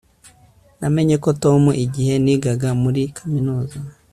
namenye tom igihe nigaga muri kaminuza